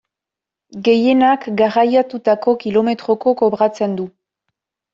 Gehienak garraiatutako kilometroko kobratzen du.